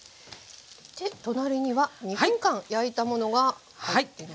で隣には２分間焼いたものが入ってます。